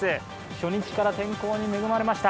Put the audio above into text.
初日から天候に恵まれました。